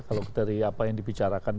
kalau dari apa yang dibicarakan